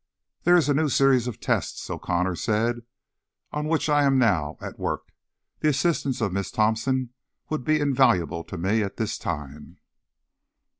"There is a new series of tests," O'Connor said, "on which I am now at work; the assistance of Miss Thompson would be invaluable to me at this time."